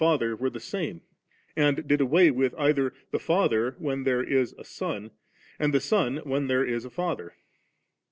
4 Father were the sam^ and did away with either, the Father when there is a Son, and the Son when there is a Father.